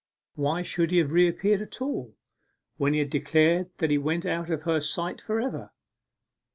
Why should he have reappeared at all, when he had declared that he went out of her sight for ever?